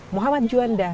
muhammad juanda bogor